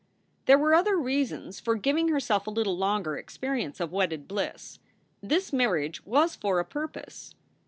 There were other reasons for giving herself a little longer experience of wedded bliss. This marriage was for a purpose.